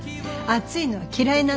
暑いのは嫌いなの。